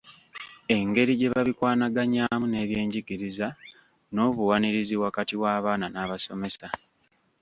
Engeri gye babikwanaganyaamu n’ebyenjigiriza n’obuwanirizi wakati w’abaana n’abasomesa.